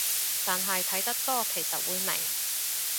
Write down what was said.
但係睇得多其實會明